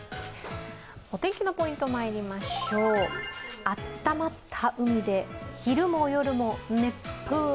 お天気のポイントまいりましょう、温まった海で、昼も夜も熱風。